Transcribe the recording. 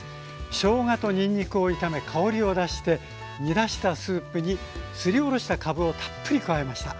しょうがとにんにくを炒め香りを出して煮出したスープにすりおろしたかぶをたっぷり加えました。